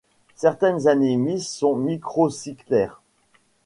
Certaines anémies sont microcytaires.